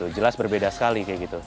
jelas berbeda sekali